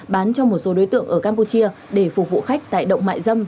bán cho một số đối tượng ở campuchia để phục vụ khách tại động mại dâm